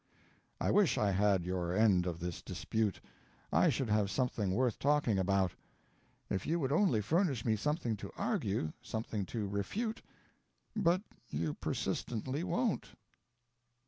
I wish I had your end of this dispute; I should have something worth talking about. If you would only furnish me something to argue, something to refute but you persistently won't.